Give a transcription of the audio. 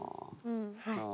はい。